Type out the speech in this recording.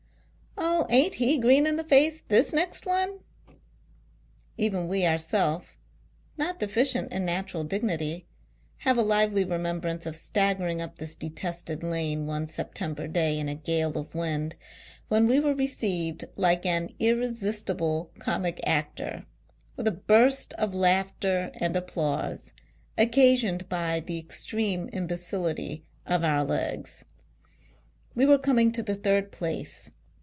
" Oh ! Aint he green in the face, this next one !" Even we ourself (not deficient in natu ral dignity) have a lively remembrance of staggering up this detested lane one September day in a gale of wind, when \ve were received like an irresistible comic actor, with a burst of laughter and applause, occasioned by the extreme imbecility of our legs. We were coming to the third place.